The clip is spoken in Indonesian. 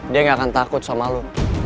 dia gak akan takut sama lu